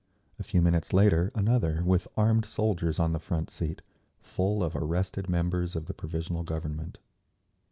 A few minutes later another, with armed soldiers on the front seat, full of arrested members of the Provisional Government.